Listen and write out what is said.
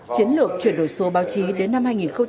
chiến lược chuyển đổi số báo chí đến năm hai nghìn hai mươi năm